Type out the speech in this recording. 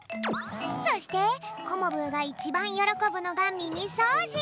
そしてコモブーがいちばんよろこぶのがみみそうじ。